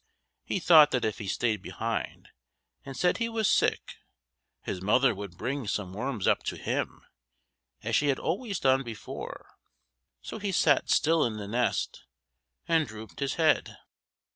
He thought that if he stayed behind and said he was sick, his mother would bring some worms up to him, as she had always done before. So he sat still in the nest, and drooped his head.